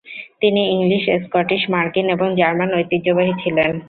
তিনি English, Scottish, মার্কিন এবং জার্মান ঐতিহ্যবাহী ছিলেন।